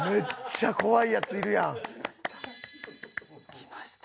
きました。